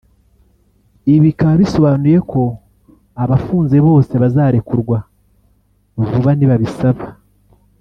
Ibi bikaba bisobanuye ko abafunze bose bazarekurwa vuba nibabisaba